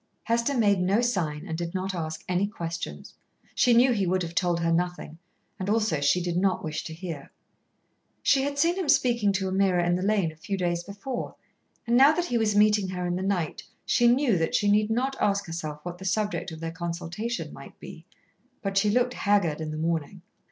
Hester made no sign and did not ask any questions. She knew he would have told her nothing, and also she did not wish to hear. She had seen him speaking to Ameerah in the lane a few days before, and now that he was meeting her in the night she knew that she need not ask herself what the subject of their consultation might be. But she looked haggard in the morning.